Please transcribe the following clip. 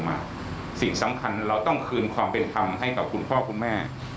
ไม่ให้ลอยขึ้นมา